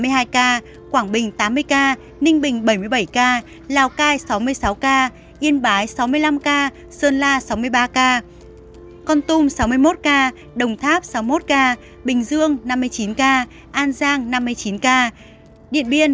hãy đăng ký kênh để ủng hộ kênh của chúng mình nhé